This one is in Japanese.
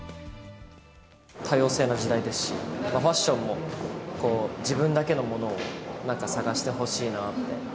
多様性な時代ですし、ファッションもこう、自分だけのものをなんか探してほしいなって。